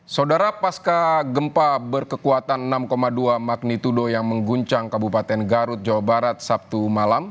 saudara pasca gempa berkekuatan enam dua magnitudo yang mengguncang kabupaten garut jawa barat sabtu malam